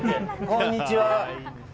こんにちは。